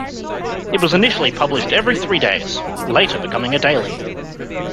It was initially published every three days, later becoming a daily.